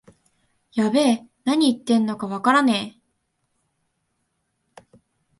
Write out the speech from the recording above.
やべえ、なに言ってんのかわからねえ